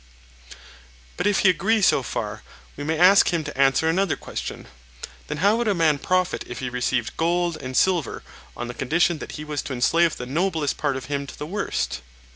But, if he agree so far, we may ask him to answer another question: 'Then how would a man profit if he received gold and silver on the condition that he was to enslave the noblest part of him to the worst?